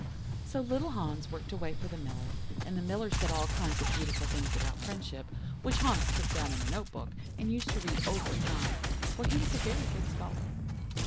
"So little Hans worked away for the Miller, and the Miller said all kinds of beautiful things about friendship, which Hans took down in a note book, and used to read over at night, for he was a very good scholar.